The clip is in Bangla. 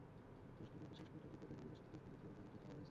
কাজটি দ্রুত শেষ করতে ঠিকাদারি প্রতিষ্ঠানকে কয়েক দফা তাগাদা দেওয়া হয়েছে।